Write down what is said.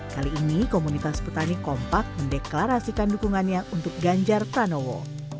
kali ini komunitas petani kompak mendeklarasikan dukungannya untuk ganjar pranowo